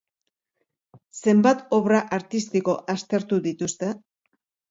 Zenbat obra artistiko aztertu dituzte?